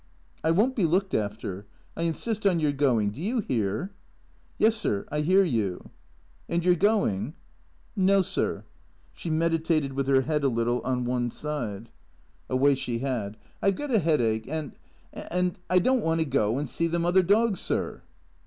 " I won't be looked after. I insist on your going. Do you hear ?" "Yes, sir, I hear you." " And you 're going ?"" No, sir." She meditated with licr head a little on one side : 33 34 THE CEEATOES a way she had. " I 've got a headache, and — and — and I don't want to go and see them other dogs, sir."